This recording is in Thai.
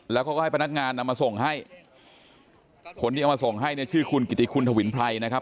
แล้วเขาก็ให้พนักงานนำมาส่งให้คนที่เอามาส่งให้เนี่ยชื่อคุณกิติคุณถวินไพรนะครับ